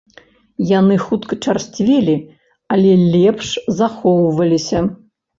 Яны хутка чарсцвелі, але лепш захоўваліся.